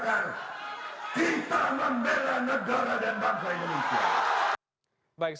joko santoto tidak makar